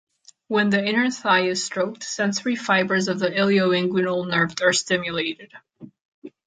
When the inner thigh is stroked, sensory fibers of the ilioinguinal nerve are stimulated.